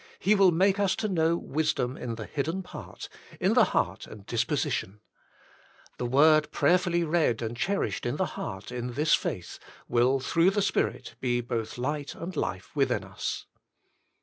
He will make us to know wisdom in the hidden part, in the heart and disposition. The The Bible Student 99 word prayerfully read and cherished in the heart in this faith, will through the Spirit, be both light and life within us.